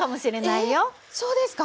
えっそうですか？